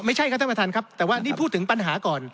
ไม่ใช่ครับท่านประธานครับแต่ว่านี่พูดถึงปัญหาก่อน